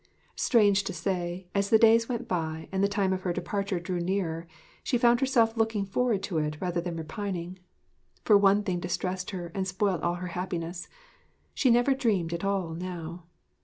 Strange to say, as the days went by and the time of her departure drew nearer, she found herself looking forward to it rather than repining. For one thing distressed her and spoilt all her happiness she never dreamed at all now.